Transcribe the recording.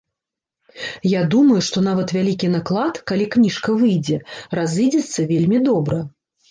Я думаю, што нават вялікі наклад, калі кніжка выйдзе, разыдзецца вельмі добра.